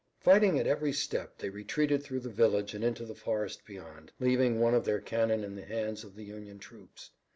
Fighting at every step they retreated through the village and into the forest beyond, leaving one of their cannon in the hands of the Union troops.